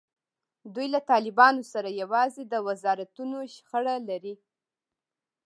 دوی له طالبانو سره یوازې د وزارتونو شخړه لري.